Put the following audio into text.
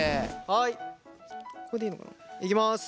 はいいきます。